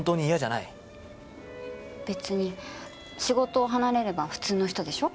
別に仕事を離れれば普通の人でしょ？